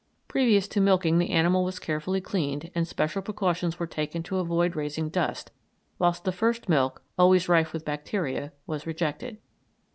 Previous to milking the animal was carefully cleaned, and special precautions were taken to avoid raising dust, whilst the first milk, always rife with bacteria, was rejected.